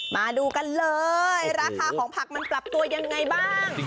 มาดูกันเลยราคาของผักมันปรับตัวยังไงบ้าง